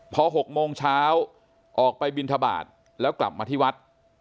พอ๖โมงเช้าออกไปบินทบาทแล้วกลับมาที่วัด